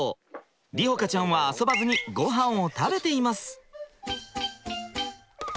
梨穂花ちゃんは遊ばずにごはんを食べています。